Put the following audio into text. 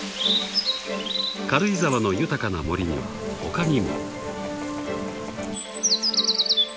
［軽井沢の豊かな森には他にも］